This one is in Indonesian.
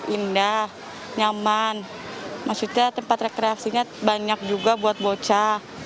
indah nyaman maksudnya tempat rekreasinya banyak juga buat bocah